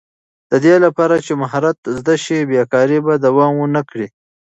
د دې لپاره چې مهارت زده شي، بېکاري به دوام ونه کړي.